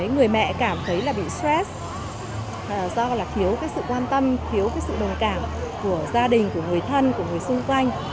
người mẹ cảm thấy là bị stress do là khiếu cái sự quan tâm khiếu cái sự đồng cảm của gia đình của người thân của người xung quanh